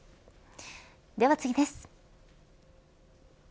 では次です。